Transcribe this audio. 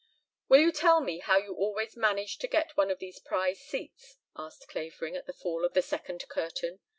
"Will you tell me how you always manage to get one of these prize seats?" asked Clavering at the fall of the second curtain.